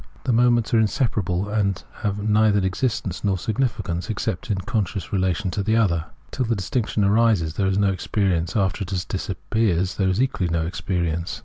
The moments are inseparable, and have neither existence nor significance except in con scious relation to each other. Till the distinction arises there is no experience, after it disappears there is equally no experience.